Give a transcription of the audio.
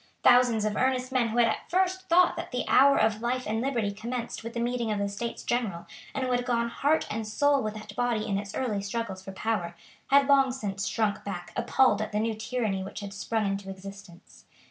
Thousands of earnest men who had at first thought that the hour of life and liberty commenced with the meeting of the States General, and who had gone heart and soul with that body in its early struggles for power, had long since shrunk back appalled at the new tyranny which had sprung into existence.